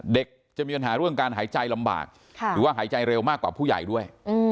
จะมีปัญหาเรื่องการหายใจลำบากหรือว่าหายใจเร็วมากกว่าผู้ใหญ่ด้วย